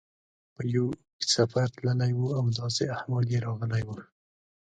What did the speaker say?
په یو اوږد سفر تللی و او داسې احوال یې راغلی و.